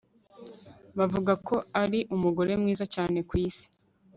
Bavuga ko ari umugore mwiza cyane kwisi